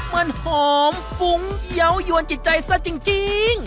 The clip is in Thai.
มันหอมฟุ้งเยาวยวนจิตใจซะจริง